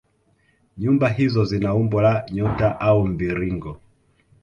Nyumba hizo zina umbo la nyota au mviringo